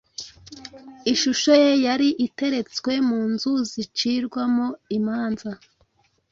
Ishusho ye yari iteretswe mu nzu zicirirwamo imanza